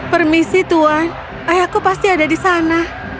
permisi tuhan ayahku pasti ada di sana